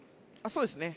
そうですね。